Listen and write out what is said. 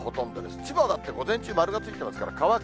千葉だって午前中、丸がついてますから乾く。